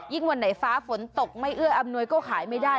วันไหนฟ้าฝนตกไม่เอื้ออำนวยก็ขายไม่ได้